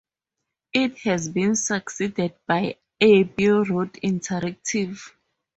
It has been succeeded by Abbey Road Interactive.